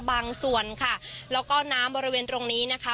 บางส่วนค่ะแล้วก็น้ำบริเวณตรงนี้นะคะ